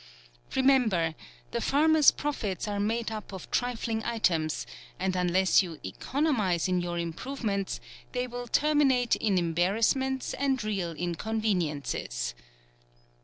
Remember the farmer's profits are made up of trifling items, and unless you economise in your improvements, they will terminate in embarrassments and real inconveniences.